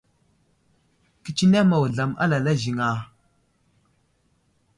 Kətsineŋ ma wuzlam alala ziŋ a ?